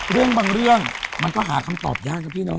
เรื่องบางเรื่องมันก็หาคำตอบยากนะพี่เนอ